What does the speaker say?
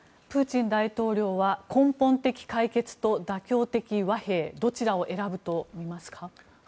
プーチン大統領は根本的解決と妥協的和平どちらを選ぶとみますか？